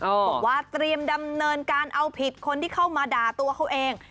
บอกว่าเตรียมดำเนินการเอาผิดคนที่เข้ามาด่าตัวเขาเอง